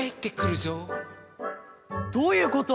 どういうこと？